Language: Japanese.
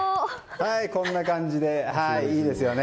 こんな感じで、いいですよね。